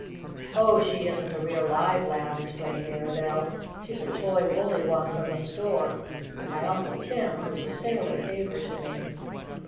"Oh, she isn't a real, live lamb," explained Mirabell. "She's a toy, woolly one from the store, and my Uncle Tim, who's a sailor, gave her to me."